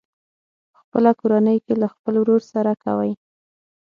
په خپله کورنۍ کې له خپل ورور سره کوي.